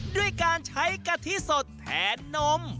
ด้วยการใช้กะทิสดแทนนม